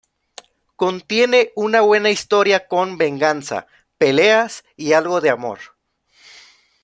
Contiene una buena historia con venganza, peleas y algo de amor.